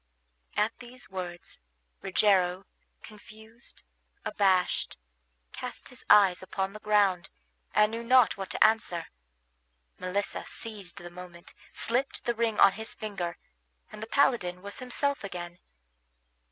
At these words, Rogero, confused, abashed, cast his eyes upon the ground, and knew not what to answer. Melissa seized the moment, slipped the ring on his finger, and the paladin was himself again.